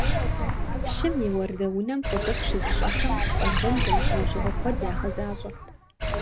Пщым и уардэунэм къулыкъу щызыщӀэхэм къалэн зэмылӀэужьыгъуэ куэд ягъэзащӀэрт.